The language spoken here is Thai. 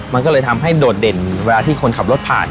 มันก็เลยทำให้โดดเด่นเวลาที่คนขับรถผ่าน